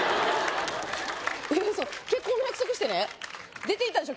え結婚の約束してね出て行ったでしょ